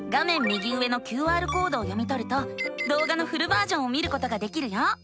右上のＱＲコードを読みとるとどうがのフルバージョンを見ることができるよ。